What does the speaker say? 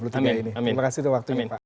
terima kasih terwaktunya pak